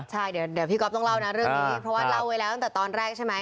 ใช่เดี๋ยวพี่ก๊อฟต้องเล่านะเรื่องนี้เพราะว่าเล่าไว้แล้วตั้งแต่ตอนแรกใช่ไหม